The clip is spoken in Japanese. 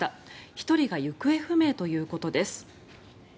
１人が行方不明ということです。